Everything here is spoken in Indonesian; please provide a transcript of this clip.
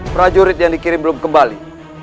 prajurit yang dikirim belum kembali